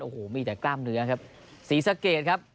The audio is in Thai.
โอ้โหมีแต่กล้ามเนื้อครับศรีสะเกดครับ